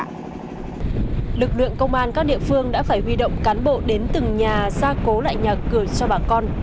lực lượng công an các địa phương đã phải huy động cán bộ đến từng nhà ra cố lại nhà cửa cho bà con